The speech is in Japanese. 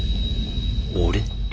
俺？